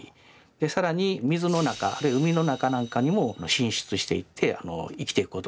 更に水の中あるいは海の中なんかにも進出していって生きていくことができる。